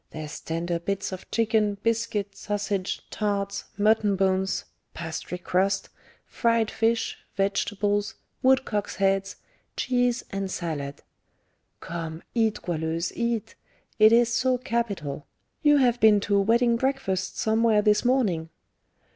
There's tender bits of chicken, biscuit, sausage, tarts, mutton bones, pastry crust, fried fish, vegetables, woodcock's heads, cheese, and salad. Come, eat, Goualeuse, eat; it is so capital! You have been to a wedding breakfast somewhere this morning."